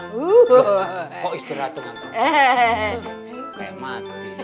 kok istirahat dengan kanton